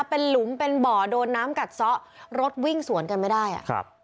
เป็นหลุมเป็นบ่อโดนน้ำกัดซะรถวิ่งสวนกันไม่ได้อ่ะครับ